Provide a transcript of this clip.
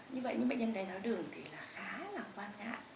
như vậy những bệnh nhân đại tháo đường thì khá là quan ngại